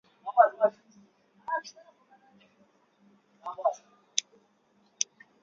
Ugonjwa wa kuhara sana humpata ngamia